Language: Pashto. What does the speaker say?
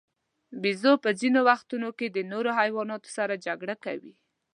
بیزو په ځینو وختونو کې د نورو حیواناتو سره جګړه کوي.